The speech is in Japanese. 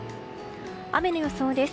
雨の予想です。